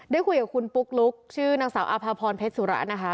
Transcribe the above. ได้คุยกับคุณปุ๊กลุ๊กชื่อนางสาวอาภาพรเพชรสุระนะคะ